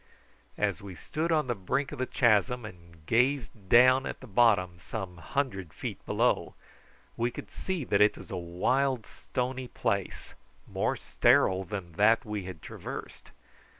As we stood on the brink of the chasm, and gazed down at the bottom some hundred feet below, we could see that it was a wild stony place, more sterile than that we had traversed.